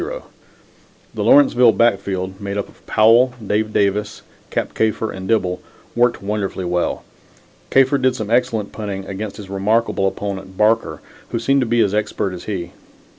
The Lawrenceville backfield, made up of Powell, Dave Davis, Cap Kafer and Dibble, worked wonderfully well. Kafer did some excellent punting against his remarkable opponent Barker, who seemed to be as expert as he.